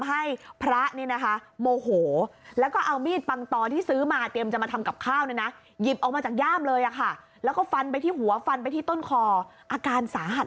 อาการสาหัสเลยนะคะ